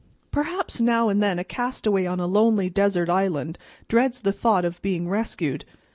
Perhaps now and then a castaway on a lonely desert island dreads the thought of being rescued.